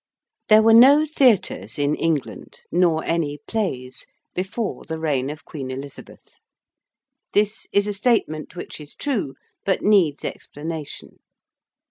There were no theatres in England, nor any Plays, before the reign of Queen Elizabeth. This is a statement which is true, but needs explanation.